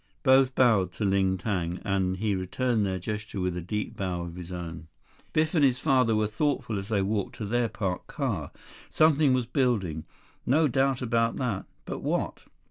Both bowed to Ling Tang, and he returned their gesture with a deep bow of his own. 18 Biff and his father were thoughtful as they walked to their parked car. Something was building. No doubt about that. But what?